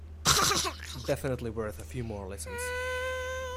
Definitely worth a few more listens.